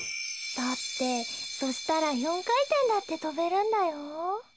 だってそしたら四回転だってとべるんだよ。